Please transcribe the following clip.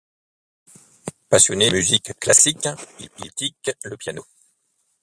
Passionné de musique classique, il pratique le piano.